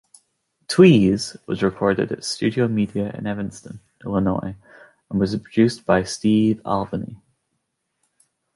"Tweez" was recorded at Studiomedia in Evanston, Illinois, and was produced by Steve Albini.